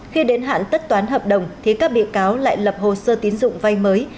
khi đến hạn tất toán hợp đồng thì các bị cáo lại lập hồ sơ tín dụng vay mới